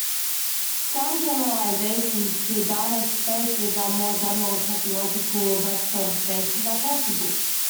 Some generalizations to Banach spaces and more general topological vector spaces are possible.